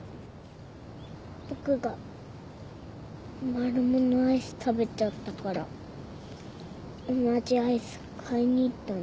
僕がマルモのアイス食べちゃったから同じアイス買いに行ったの。